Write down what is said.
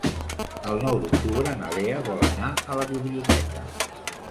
El nou d'octubre na Lea vol anar a la biblioteca.